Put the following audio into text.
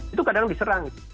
itu kadang diserang